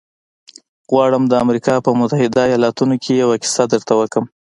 غواړم د امریکا په متحدو ایالتونو کې یوه کیسه درته وکړم